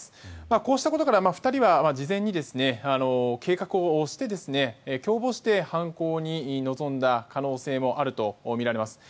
こうしたことから２人は、事前に計画をして共謀して犯行に臨んだ可能性もあるとみられます。